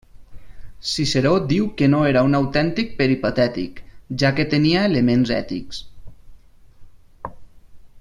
Ciceró diu que no era un autèntic peripatètic, ja que tenia elements ètics.